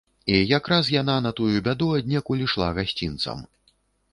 І якраз яна, на тую бяду, аднекуль ішла гасцінцам.